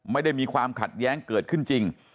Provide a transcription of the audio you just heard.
ไม่ได้มีความขัดแย้งเกิดขึ้นจริง